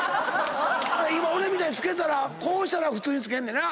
俺みたいに着けたらこうしたら普通に着けんねんな。